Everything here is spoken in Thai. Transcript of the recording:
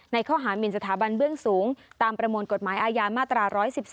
ข้อหามินสถาบันเบื้องสูงตามประมวลกฎหมายอาญามาตรา๑๑๒